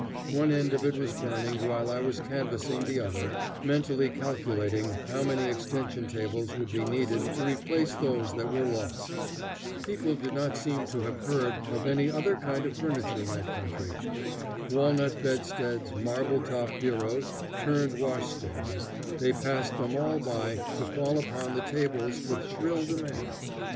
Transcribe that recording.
One end of it was burning while I was canvassing the other, mentally calculating how many extension tables would be needed to replace those that were lost. People did not seem to have heard of any other kind of furniture in that country. Walnut bed steads, marble top bureaus, turned washstands they passed them all by to fall upon the tables with shrill demand.